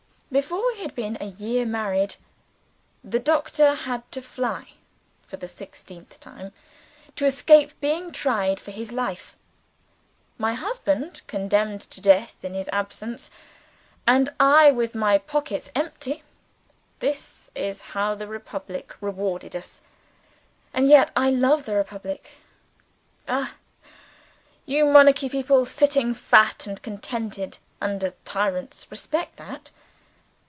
Before we had been a year married, the Doctor had to fly (for the sixteenth time) to escape being tried for his life. My husband condemned to death in his absence; and I with my pockets empty. This is how the Republic rewarded us. And yet, I love the Republic. Ah, you monarchy people, sitting fat and contented under tyrants, respect that!